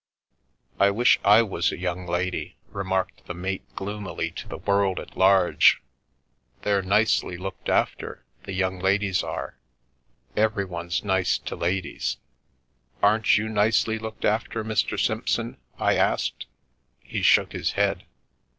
"I wish / was a young lady," remarked the mate gloomily to the world at large. " They're nicely looked after, the young ladies are. Everyone's nice to ladies." "Aren't you nicely looked after, Mr. Simpson?" I asked. He shook his head.